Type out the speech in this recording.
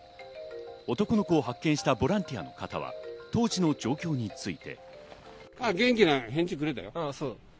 男の子を発見したボランティアの方は当時の状況について。